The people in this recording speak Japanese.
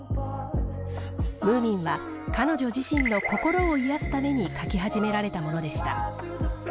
ムーミンは彼女自身の心を癒やすために書き始められたものでした。